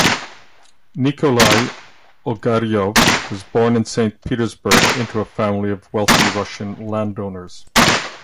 Nikolay Ogaryov was born in Saint Petersburg into a family of wealthy Russian landowners.